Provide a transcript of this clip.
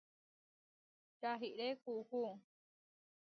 Čaʼríre kuʼú.